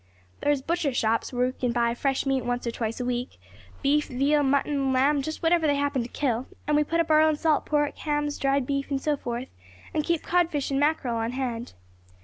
"There's butcher shops where we can buy fresh meat once or twice a week beef, veal, mutton, lamb, just whatever they happen to kill and we put up our own salt pork, hams, dried beef, and so forth, and keep codfish and mackerel on hand.